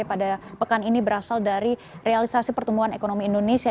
pada pekan ini berasal dari realisasi pertumbuhan ekonomi indonesia